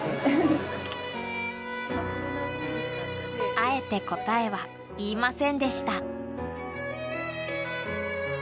あえて答えは言いませんでした。